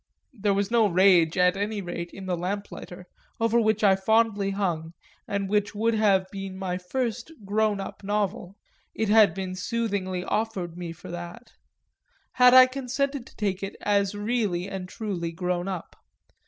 There was no rage at any rate in The Lamplighter, over which I fondly hung and which would have been my first "grown up" novel it had been soothingly offered me for that had I consented to take it as really and truly grown up.